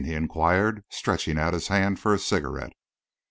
he enquired, stretching out his hand for a cigarette.